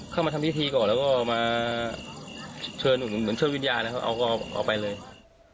เข้ามาทำพิธีก่อนเชิญวิญญาณแล้วเอาไปเลย